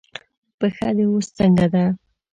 پښه دې اوس څنګه ده؟